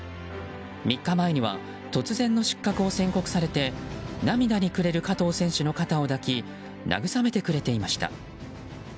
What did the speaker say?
３日前には突然の失格を宣告されて涙にくれる加藤選手の肩を抱き慰めてくれていました。